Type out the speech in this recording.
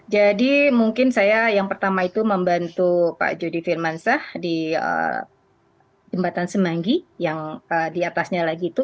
jadi mungkin saya yang pertama itu membantu pak jody firmansyah di jembatan semanggi yang di atasnya lagi itu